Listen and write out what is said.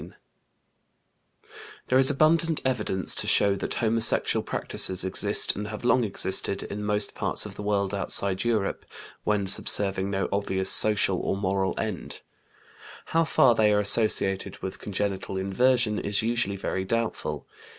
There is abundant evidence to show that homosexual practices exist and have long existed in most parts of the world outside Europe, when subserving no obvious social or moral end. How far they are associated with congenital inversion is usually very doubtful.